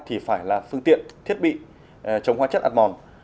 thì phải là phương tiện thiết bị chống hoa chất ăn mòn